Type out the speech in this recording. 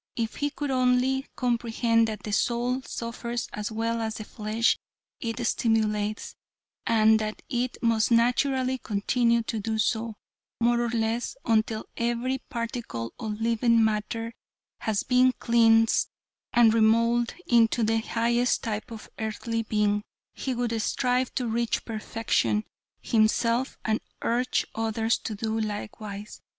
If he could only comprehend that the soul suffers as well as the flesh it stimulates, and that it must naturally continue to do so, more or less, until every particle of living matter has been cleansed and remoulded into the highest type of earthly being, he would strive to reach perfection himself and urge others to do likewise.